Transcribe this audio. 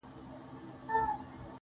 o دا چي دي شعرونه د زړه جيب كي وړي.